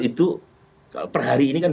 itu perhari ini kan